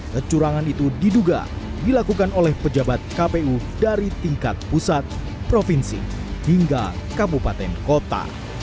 kecurangan itu diduga dilakukan oleh pejabat kpu dari tingkat pusat provinsi hingga kabupaten kota